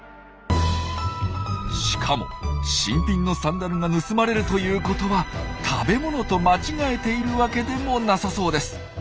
しかも新品のサンダルが盗まれるということは食べ物と間違えているわけでもなさそうです。